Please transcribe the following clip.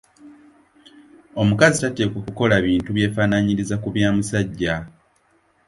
Omukazi tateekwa kukola bintu byefaananyiriza ku bya musajja.